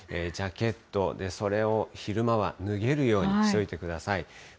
ジャケット、それを昼間は脱げるようにしておいてください。